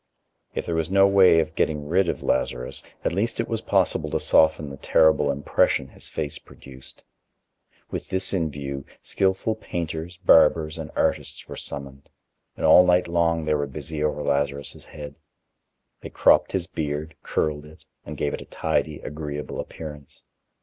If there was no way of getting rid of Lazarus, at least it was possible to soften the terrible impression his face produced. With this in view, skillful painters, barbers, and artists were summoned, and all night long they were busy over Lazarus' head. They cropped his beard, curled it, and gave it a tidy, agreeable appearance.